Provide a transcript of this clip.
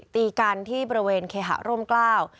ตีกันที่บริเวณเคหะร่มกล้าว